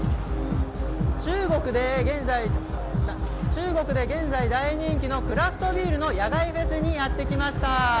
中国で現在大人気のクラフトビールの野外フェスにやってきました。